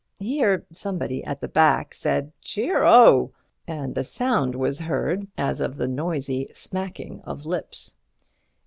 Here somebody at the back said, "Cheer oh!" and a sound was heard as of the noisy smacking of lips.